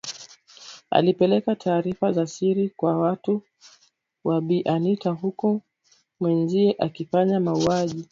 Alipeleka taarifa za siri kwa watu wa Bi Anita huku mwenzie akifanya mauaji